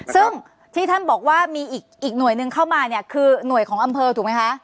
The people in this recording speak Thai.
ซึ่งที่ท่านบอกว่ามีอีกหน่วยหนึ่งเข้ามาเนี่ยคือหน่วยของอำเภอถูกไหมคะ